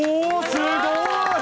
すごい！